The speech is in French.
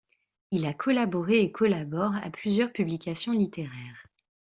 Il a collaboré et collabore à plusieurs publications littéraires.